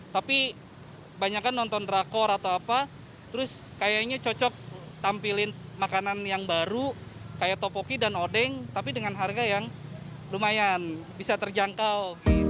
tapi kebanyakan nonton drakor atau apa terus kayaknya cocok tampilin makanan yang baru kayak topoki dan odeng tapi dengan harga yang lumayan bisa terjangkau